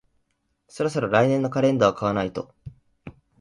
そろそろ来年のカレンダーを買わないと